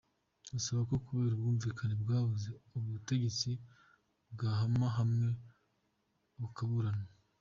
Asaba ko kubera ubwumvikane bwabuze, ubutegetsi bwahama hamwe bukaburana.